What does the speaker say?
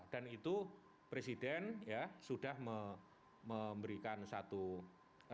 dan itu presiden ya sudah memberikan satu respon